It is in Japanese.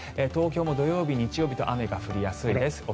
東京も土曜日、日曜日も雨が降りやすいです。